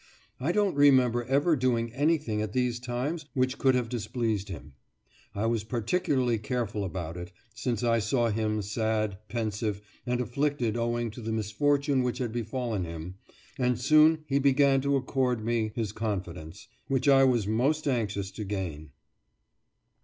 I don't remember ever doing anything at these times which could have displeased him; I was particularly careful about it, since I saw him sad, pensive, and afflicted owing to the misfortune which had befallen him, and soon be began to accord me his confidence, which I was most anxious to gain.